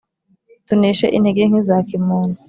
Tuneshe intege nke za kimuntu